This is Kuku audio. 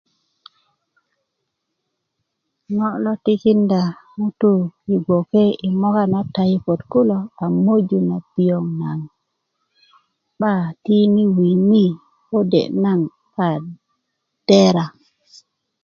ŋo' lo tikinda ŋutui yo gnoke yi moka na tayipot kulo a moju na piyoŋ nagoŋ 'ba tikini wini lode' naŋ 'ba dera